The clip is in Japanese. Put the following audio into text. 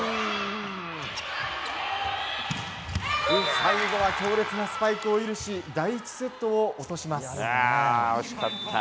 最後は強烈なスパイクを許し第１セットを落とします。